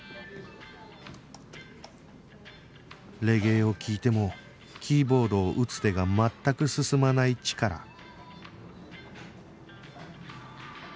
レゲエを聴いてもキーボードを打つ手が全く進まないチカラ